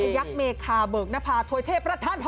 ยักษ์เมฆาะเบิกนภาโทยเทพระท่านพร